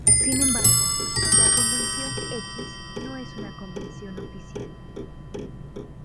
Sin embargo, la convención X no es una convención oficial.